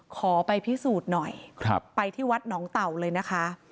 ขอไปพิสูจน์หน่อยไปที่วัดหนองเต่าเลยนะคะ